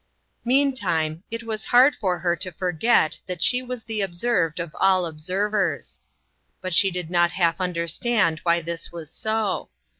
Meantime, it was hard for her to forget that she was the observed of all observers. But .she did not half understand why this was so.